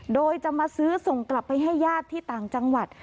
โดยจะมาซื้อส่งกลับไปให้ญาติที่ต่างจังหวัด